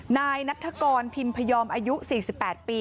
นายนัฐกรพิมพยอมอายุ๔๘ปี